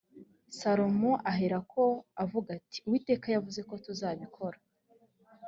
salomo aherako aravuga ati uwiteka yavuze ko tuzabikora